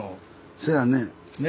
せやね。